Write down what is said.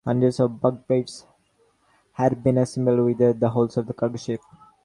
Hundreds of bulk beds had been assembled within the holds of the cargo ship.